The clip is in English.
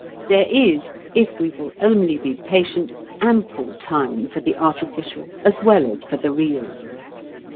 There is, if we will only be patient, ample time for the "artificial" as well as for the "real."